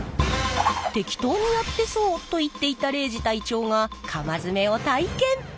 適当にやってそうと言っていた礼二隊長が釜詰めを体験！